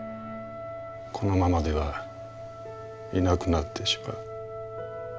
このままではいなくなってしまう」。